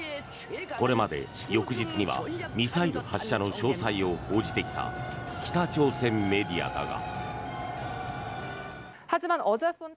これまで翌日にはミサイル発射の詳細を報じてきた北朝鮮メディアだが。